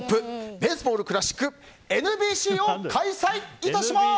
ベースボール・クラシックＮＢＣを開催いたします！